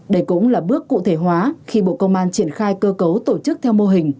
đây cũng là bước cụ thể hóa khi bộ công an triển khai cơ cấu tổ chức theo mô hình